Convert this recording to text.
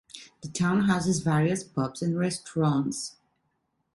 The town houses various pubs and restaurants.